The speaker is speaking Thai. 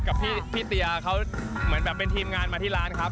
กับพี่เตียเขาเหมือนแบบเป็นทีมงานมาที่ร้านครับ